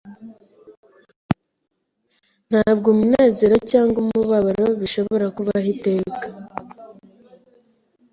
Ntabwo umunezero cyangwa umubabaro bishobora kubaho iteka.